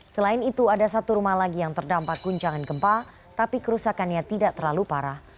selain itu ada satu rumah lagi yang terdampak guncangan gempa tapi kerusakannya tidak terlalu parah